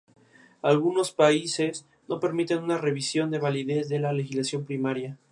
Algunos países no permiten una revisión de la validez de la legislación primaria.